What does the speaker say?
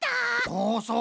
そうそう。